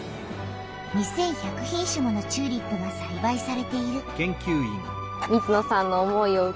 ２，１００品種ものチューリップがさいばいされている。